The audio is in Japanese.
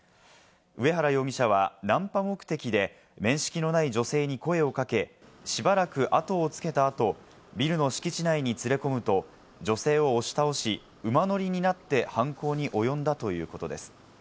上原容疑者はナンパ目的で面識のない女性に声をかけ、しばらく後をつけた後、ビルの敷地内に連れ込むと、女性を押し倒し、馬乗りになって犯行に及んだということです。